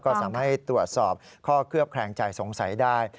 ก็สามารถให้ตรวจสอบข้อเคลือบแคลงใจสงสัยได้